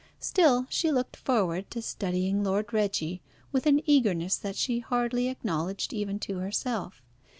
Still, she looked forward to studying Lord Reggie with an eagerness that she hardly acknowledged even to herself.